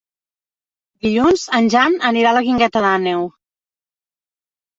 Dilluns en Jan anirà a la Guingueta d'Àneu.